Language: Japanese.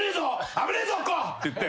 危ねえぞここ！」って言って。